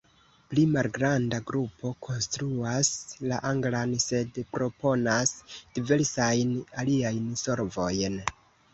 Pli malgranda grupo kontraŭas la anglan sed proponas diversajn aliajn solvojn.